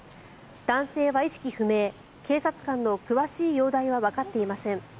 男性は意識不明警察官の詳しい容体はわかっていません。